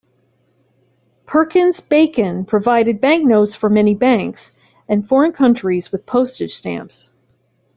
Perkins Bacon provided banknotes for many banks, and foreign countries with postage stamps.